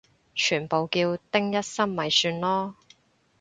全部叫丁一心咪算囉